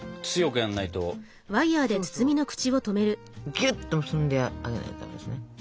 ぎゅっと結んであげないとダメですね。